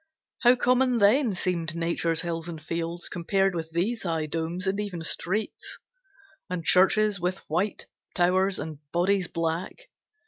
How common then seemed Nature's hills and fields Compared with these high domes and even streets, And churches with white towers and bodies black.